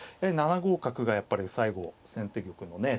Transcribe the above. ７五角がやっぱり最後先手玉のね